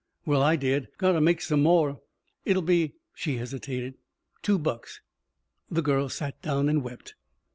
"Well, I did. Gotta make some more. It'll be" she hesitated "two bucks." The girl sat down and wept.